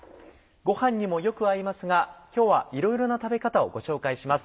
ご飯にもよく合いますが今日はいろいろな食べ方をご紹介します。